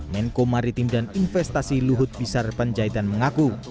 menko maritim dan investasi luhut pisar penjahitan mengaku